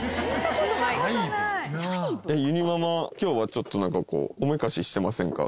ゆにママ今日はちょっとなんかこうおめかししてませんか？